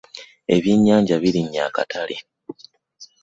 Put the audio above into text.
Ebyenyanja birinye akatale.